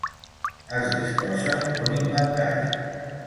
Es disposa d'un inventari.